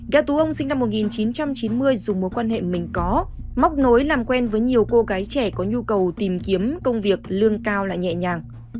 ga tú ông sinh năm một nghìn chín trăm chín mươi dùng mối quan hệ mình có móc nối làm quen với nhiều cô gái trẻ có nhu cầu tìm kiếm công việc lương cao lại nhẹ nhàng